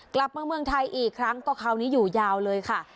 กลับมาเมืองไทยอีกครั้งก็คราวนี้อยู่ยาวเลยค่ะ